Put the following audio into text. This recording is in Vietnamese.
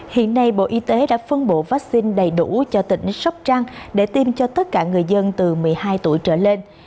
hiện nay bộ y tế đã phân bổ vaccine đầy đủ cho tỉnh sóc trăng để tiêm cho tất cả người dân từ một mươi hai tuổi trở lên